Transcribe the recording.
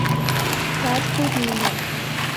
رات خوب نیند آئی